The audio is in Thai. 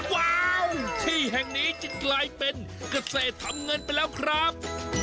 ว้าวที่แห่งนี้จึงกลายเป็นเกษตรทำเงินไปแล้วครับ